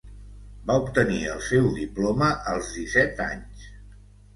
Va obtenir el seu diploma als disset anys.